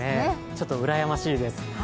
ちょっとうらやましいです。